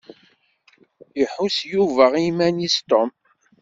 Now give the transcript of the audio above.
Iḥuss yufa iman-is Tom.